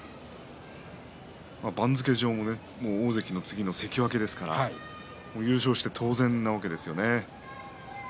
番付上も大関の次の関脇ですから優勝して当然なわけですよね。